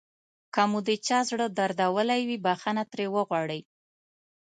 که مو د چا زړه دردولی وي بښنه ترې وغواړئ.